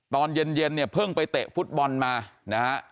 ตอนเย็นเนี่ยเพิ่งไปเตะฟุตบอลมานะฮะ